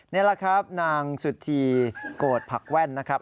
นี่แหละครับนางสุธีโกรธผักแว่นนะครับ